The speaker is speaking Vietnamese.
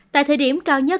tại thời điểm cao nhất